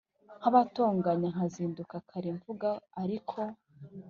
Nkabatonganya nkazinduka kare mvuga ariko